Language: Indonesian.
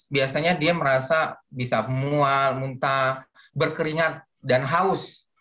biasanya dia merasa bisa mual muntah berkeringat dan haus